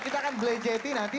kita akan belajati nanti